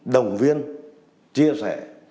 đồng viên chia sẻ